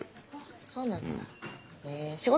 そうなんだ仕事？